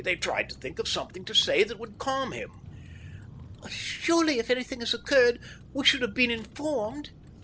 They tried to think of something to say that would calm him. "Surely if anything had occurred, we should have been informed."